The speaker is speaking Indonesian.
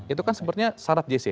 itu kan sebenarnya syarat jc